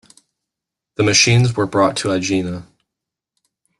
The machines were brought to Aegina.